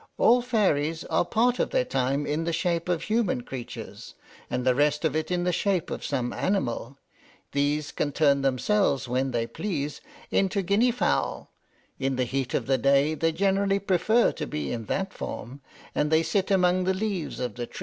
"All fairies are part of their time in the shape of human creatures, and the rest of it in the shape of some animal. These can turn themselves, when they please, into Guinea fowl. In the heat of the day they generally prefer to be in that form, and they sit among the leaves of the trees.